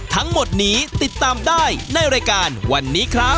ทั้งหมดนี้ติดตามได้ในรายการวันนี้ครับ